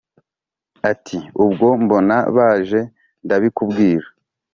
ati : ubwo mbona baje ndabikubwira